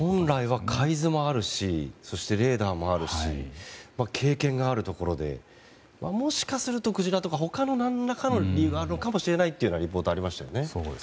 海図もあるしレーダーもあるし経験があるところでもしかするとクジラとか他の何らかの理由があるかもしれないとリポートがありましたね。